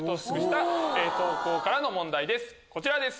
こちらです。